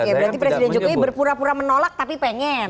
oke berarti presiden jokowi berpura pura menolak tapi pengen